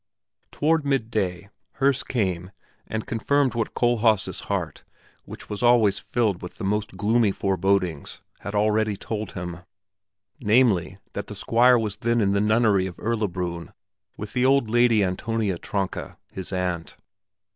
Toward midday Herse came and confirmed what Kohlhaas' heart, which was always filled with the most gloomy forebodings, had already told him namely, that the Squire was then in the nunnery of Erlabrunn with the old Lady Antonia Tronka, his aunt.